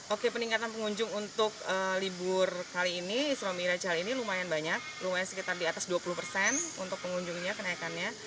oke peningkatan pengunjung untuk libur kali ini isra miraj hari ini lumayan banyak lumayan sekitar di atas dua puluh persen untuk pengunjungnya kenaikannya